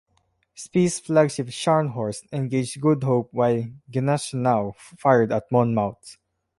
Spee's flagship, "Scharnhorst", engaged "Good Hope" while "Gneisenau" fired at "Monmouth".